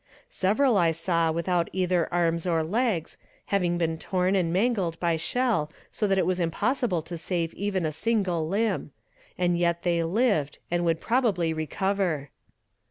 Several I saw without either arms or legs, having been torn and mangled by shell so that it was impossible to save even a single limb and yet they lived, and would probably recover.